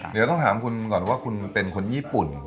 เดี๋ยวต้องถามคุณก่อนว่าคุณเป็นคนญี่ปุ่น